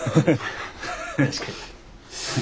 確かに。